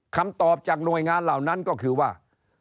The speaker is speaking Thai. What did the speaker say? คำตอบจากหน่วยงานเหล่านั้นก็คือว่า